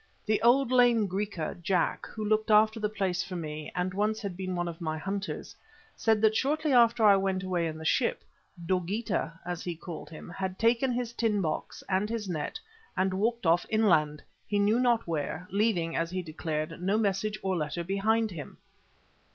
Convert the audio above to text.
The old, lame Griqua, Jack, who looked after the place for me and once had been one of my hunters, said that shortly after I went away in the ship, Dogeetah, as he called him, had taken his tin box and his net and walked off inland, he knew not where, leaving, as he declared, no message or letter behind him.